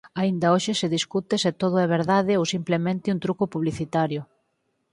Aínda hoxe se discute se todo é verdade ou simplemente un truco publicitario.